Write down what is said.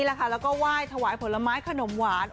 แล้วก็ไหว้ถวายผลไม้ขนมหวาน